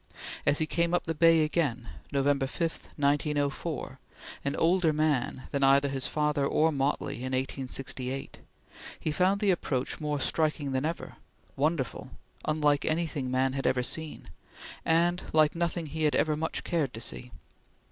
As he came up the bay again, November 5, 1904, an older man than either his father or Motley in 1868, he found the approach more striking than ever wonderful unlike anything man had ever seen and like nothing he had ever much cared to see.